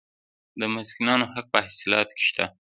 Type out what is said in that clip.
د مسکینانو حق په حاصلاتو کې شته.